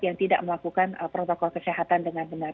yang tidak melakukan protokol kesehatan dengan benar